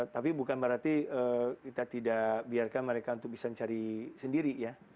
tapi bukan berarti kita tidak biarkan mereka untuk bisa mencari sendiri ya